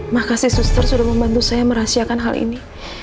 makasih suster sudah membantu saya merahasiakan hal ini